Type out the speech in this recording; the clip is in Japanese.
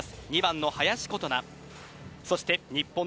２番の林琴奈。